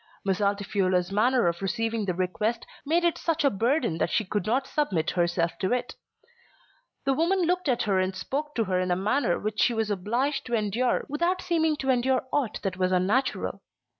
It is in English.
Miss Altifiorla's manner of receiving the request made it such a burden that she could not submit herself to it. The woman looked at her and spoke to her in a manner which she was obliged to endure without seeming to endure aught that was unnatural.